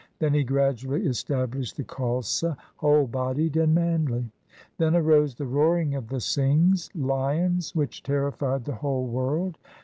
Then he gradually established the Khalsa, whole bodied 1 and manly. Then aro:;e the roaring of the Singhs (lions) which terrified the whole world.